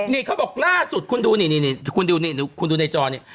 นี่เขาบอกหน้าสุดคุณดูในจอนี้